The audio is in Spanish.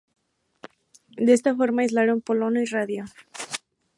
De esta forma aislaron polonio y radio.